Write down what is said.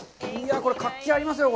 これ活気がありますよ。